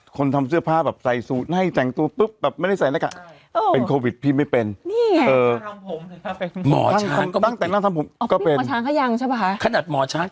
คนทำชื่อผ้าใส่สูปไม่ได้ใส่หน้ากาก